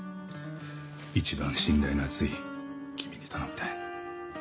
一番信頼の厚い君に頼みたい。